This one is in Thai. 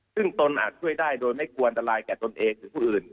ซึ่งตนอาจช่วยได้โดยไม่ควรอันตรายแก่ตนเองหรือผู้อื่น